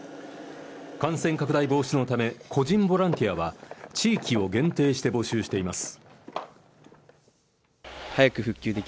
感染拡大防止のため個人ボランティアは、地域を限定して募集しています。